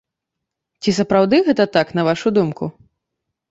Ці сапраўды гэта так, на вашу думку?